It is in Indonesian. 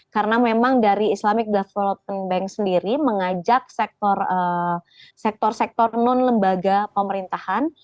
karena memang dari islamic development bank sendiri mengajak sektor sektor non lembaga pemerintahan